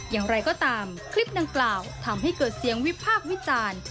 อย่างไรก็ตามคลิปดังกล่าวทำให้เกิดเสียงวิพากษ์วิจารณ์